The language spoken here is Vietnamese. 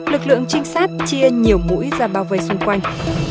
lực lượng trinh sát chia nhiều mũi ra bảo vệ xung quanh